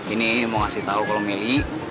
ini mau kasih tahu kalau milih